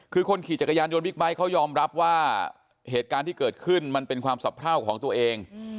คือคนขี่จักรยานยนต์บิ๊กไบท์เขายอมรับว่าเหตุการณ์ที่เกิดขึ้นมันเป็นความสะพร่าวของตัวเอง